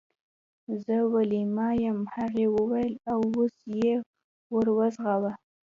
زه ویلما یم هغې وویل او لاس یې ور وغزاوه